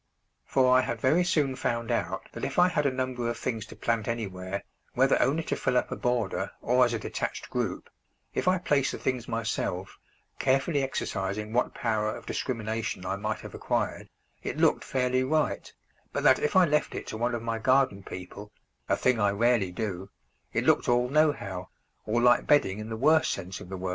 For I had very soon found out that, if I had a number of things to plant anywhere, whether only to fill up a border or as a detached group, if I placed the things myself, carefully exercising what power of discrimination I might have acquired, it looked fairly right, but that if I left it to one of my garden people (a thing I rarely do) it looked all nohow, or like bedding in the worst sense of the word.